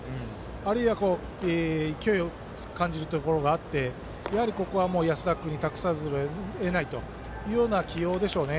あるいは勢いを感じないところがあってここは安田君に託さざるをえないという感じでしょうね。